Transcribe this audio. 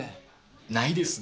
ないですね。